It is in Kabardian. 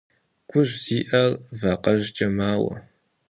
Гужь зиӀэр вакъэжькӀэ мауэ.